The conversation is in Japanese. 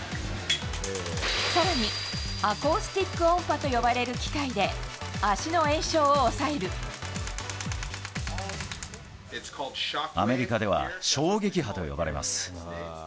さらに、アコースティック音波と呼ばれる機械で、アメリカでは、衝撃波と呼ばれます。